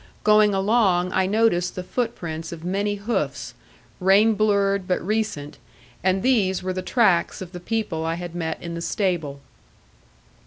Going along, I noticed the footprints of many hoofs, rain blurred but recent, and these were the tracks of the people I had met in the stable.